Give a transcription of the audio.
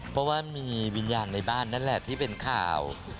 เพราะว่ามีวิญญาณในบ้านนั่นแหละที่เป็นข่าว